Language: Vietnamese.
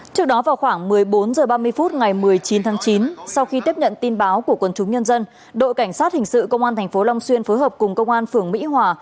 trước đó vào khoảng một mươi bốn h ba mươi phút ngày một mươi chín tháng chín sau khi tiếp nhận tin báo của quân chúng nhân dân đội cảnh sát hình sự công an tp long xuyên phối hợp cùng công an phường mỹ hòa